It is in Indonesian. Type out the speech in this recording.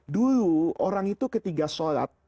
dulu orang itu ketika sholat